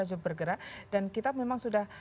harus bergerak dan kita memang sudah